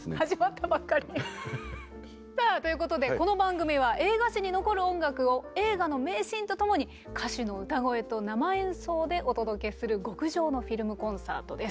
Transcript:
さあということでこの番組は映画史に残る音楽を映画の名シーンとともに歌手の歌声と生演奏でお届けする極上のフィルムコンサートです。